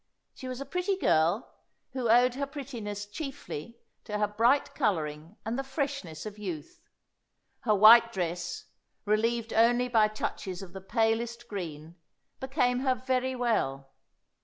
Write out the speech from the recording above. She was a pretty girl, who owed her prettiness chiefly to her bright colouring and the freshness of youth. Her white dress, relieved only by touches of the palest green, became her very well.